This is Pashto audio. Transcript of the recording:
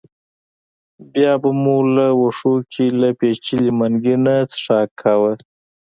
بیا به مو له وښو کې له پېچلي منګي نه څښاک کاوه.